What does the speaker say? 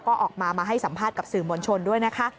ก็ออกมามาให้สัมภาษณ์กับสื่อมวลชนด้วยนะคะ